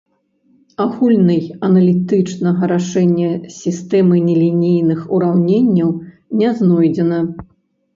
Агульнай аналітычнага рашэння сістэмы нелінейных ураўненняў не знойдзена.